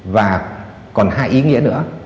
và còn hai ý nghĩa nữa